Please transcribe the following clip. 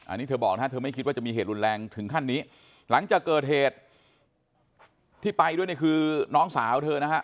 อันนี้เธอบอกนะฮะเธอไม่คิดว่าจะมีเหตุรุนแรงถึงขั้นนี้หลังจากเกิดเหตุที่ไปด้วยนี่คือน้องสาวเธอนะฮะ